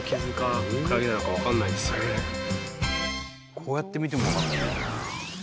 こうやって見ても分かんない。